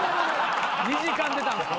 ２時間出たんすか？